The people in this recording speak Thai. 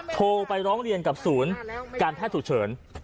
โทรไปร้องเรียนกับศูนย์การแพทย์ฉุกเฉิน